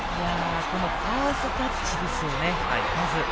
ファーストタッチですよね。